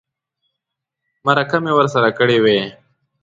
مرکه مې ورسره کړې وای.